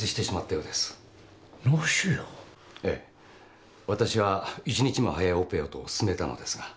脳腫瘍？ええ。わたしは１日も早いオペをと勧めたのですが。